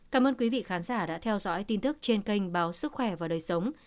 cảm ơn quý vị khán giả đã theo dõi tin tức trên kênh báo sức khỏe và đời sống